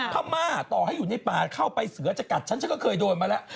พม่าต่อให้อยู่ในป่าเข้าไปเสือจะกัดฉันฉันก็เคยโดนมาแล้ว